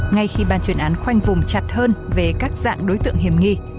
ngay khi ban chuyên án khoanh vùng chặt hơn về các dạng đối tượng hiểm nghi